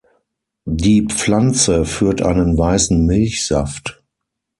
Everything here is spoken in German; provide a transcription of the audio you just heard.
Die Pflanze führt einen weißen Milchsaft.